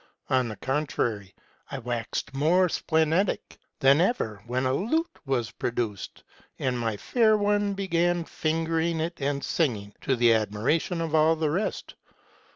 On the con trary, I waxed more splenetic than ever when a lute was produced, and my fair one began fingering it and singing, to the admiration of all the rest.